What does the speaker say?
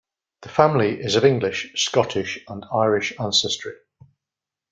The family is of English, Scottish and Irish ancestry.